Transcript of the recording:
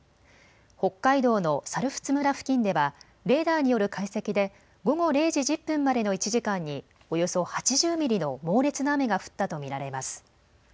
北海道の猿払村付近ではレーダーによる解析で午後０時１０分までの１時間におよそ８０ミリの猛烈な雨が降ったと見られます。